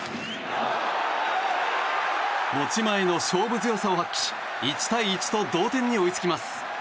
持ち前の勝負強さを発揮し１対１と同点に追いつきます。